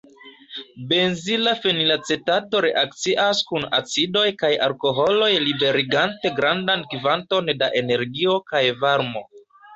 Benzila fenilacetato reakcias kun acidoj kaj alkoholoj liberigante grandan kvanton da energio kaj varmo.